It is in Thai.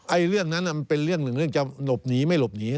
เรื่องนั้นมันเป็นเรื่องหนึ่งเรื่องจะหลบหนีไม่หลบหนี